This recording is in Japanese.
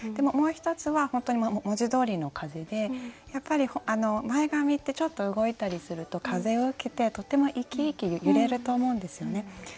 もう１つは本当に文字どおりの「風」でやっぱり前髪ってちょっと動いたりすると風を受けてとても生き生き揺れると思うんですよね。